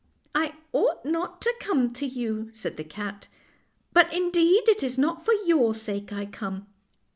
"I ought not to come to you," said the cat; " but, indeed, it is not for your sake I come.